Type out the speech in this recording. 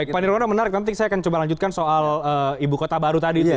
pak nirwana menarik nanti saya akan coba lanjutkan soal ibu kota baru tadi itu ya